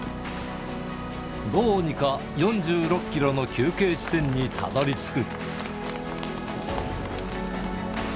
どうにか４６キロの休憩地点にたどりつく。